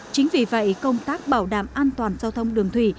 chính vì vậy công tác bảo đảm an toàn giao thông đường thủy